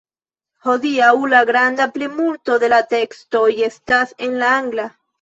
Hodiaŭ la granda plimulto de la tekstoj estas en la angla.